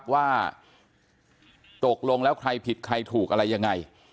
ว่าตกลงแล้วใครผิดใครถูกอะไรยังไง